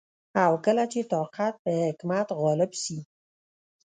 او کله چي طاقت په حکمت غالب سي